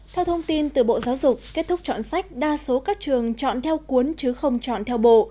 theo thông tin từ bộ giáo dục kết thúc chọn sách đa số các trường chọn theo cuốn chứ không chọn theo bộ